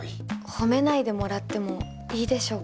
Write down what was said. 褒めないでもらってもいいでしょうか。